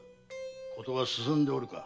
ことは進んでおるか？